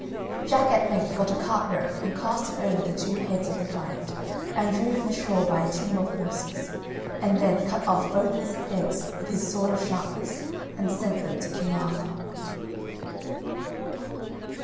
Jack at length got a cart rope and cast it over the two heads of the giant, and drew him ashore by a team of horses, and then cut off both his heads with his sword of sharpness, and sent them to King Arthur.